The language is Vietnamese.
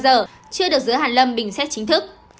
giờ chưa được giữ hẳn lâm bình xét chính thức